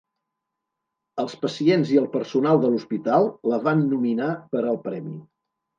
Els pacients i el personal de l'hospital la van nominar per al premi.